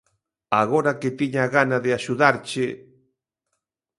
Agora que tiña gana de axudarche...